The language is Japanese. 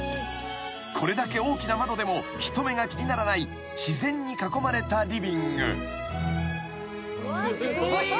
［これだけ大きな窓でも人目が気にならない自然に囲まれたリビング］